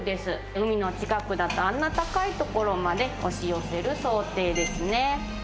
海の近くだとあんな高いところまで押し寄せる想定ですね。